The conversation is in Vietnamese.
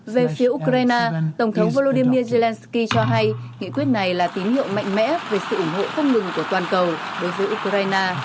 về phía ukraine tổng thống volodymyr zelensky cho hay nghị quyết này là tín hiệu mạnh mẽ về sự ủng hộ không ngừng của toàn cầu đối với ukraine